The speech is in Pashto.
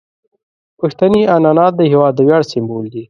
پښتني عنعنات د هیواد د ویاړ سمبول دي.